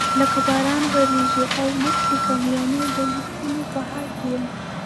لکه باران وریږي او لیک لیکم یعنی د لیکلو په حال کې یم.